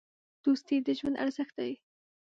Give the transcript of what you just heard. دوستي د ژوند ارزښت دی.